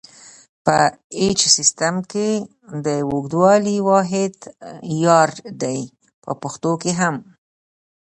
په ایچ سیسټم کې د اوږدوالي واحد یارډ دی په پښتو کې هم.